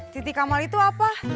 titik kamal itu apa